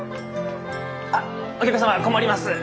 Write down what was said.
あっお客様困ります。